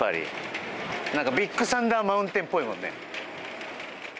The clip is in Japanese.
ビッグサンダーマウンテンっぽいもんね。